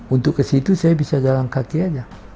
untuk ke situ saya bisa jalan kaki saja